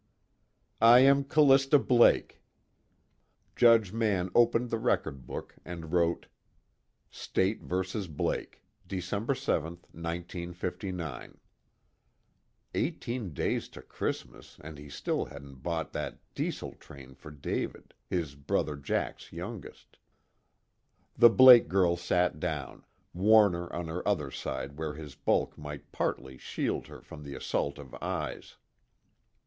"I am Callista Blake." Judge Mann opened the record book and wrote: State vs. Blake, Dec. 7, 1959. Eighteen days to Christmas and he still hadn't bought that Diesel train for David, his brother Jack's youngest.... The Blake girl sat down, Warner on her other side where his bulk might partly shield her from the assault of eyes.